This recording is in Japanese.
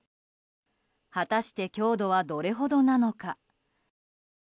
果たして強度はどれほどなのか。